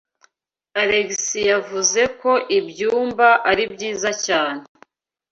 Alex yavuze ko ibyumba ari byiza cyane.